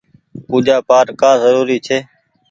پوجآ پآٽ ڪآ زروري ڇي۔